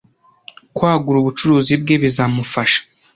Kwagura ubucuruzi bwe bizamufasha